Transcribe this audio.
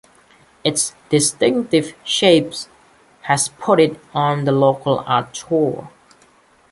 Its distinctive shape has put it on the local art tour.